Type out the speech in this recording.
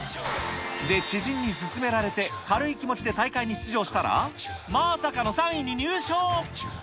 で、知人に勧められて軽い気持ちで大会に出場したら、まさかの３位に入賞。